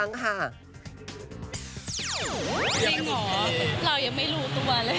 จริงเหรอเรายังไม่รู้ตัวเลย